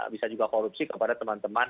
bisa juga korupsi kepada teman teman